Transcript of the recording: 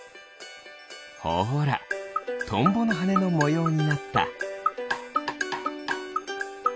ほらトンボのはねのもようになった。